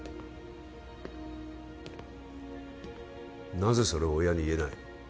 なぜそれを親に言えない？